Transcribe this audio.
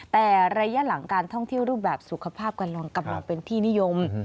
แต่ระยะหลังการท่องเที่ยวรูปแบบสุขภาพกำลังเป็นที่นิยม